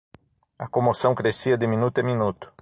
A comoção crescia de minuto a minuto.